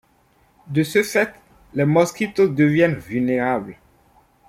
De ce fait, les Mosquitos deviennent vulnérables.